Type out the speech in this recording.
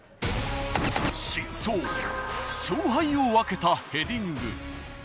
勝敗を分けたヘディング。